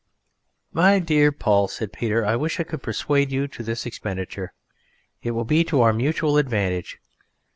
"My dear Paul," said Peter, "I wish I could persuade you to this expenditure. It will be to our mutual advantage.